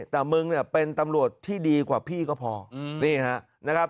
แต่มึงเนี่ยเป็นตำรวจที่ดีกว่าพี่ก็พอนี่ครับนะครับ